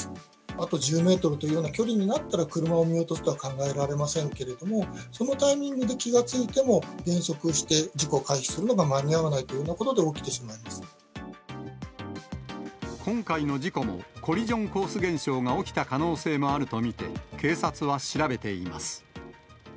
あと１０メートルというような距離になったら、車を見落とすとは考えられませんけれども、そのタイミングで気がついても減速して、事故を回避するのが間に合わないというようなことで起きてしまい今回の事故も、コリジョンコース現象が起きた可能性もあると見て、警察は調べています。